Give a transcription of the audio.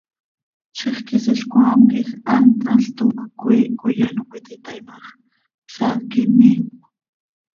Zixquisiil cmaam quij hant thanl toocj cöquiih coi ano cöititaai ma x, psaac imiicö.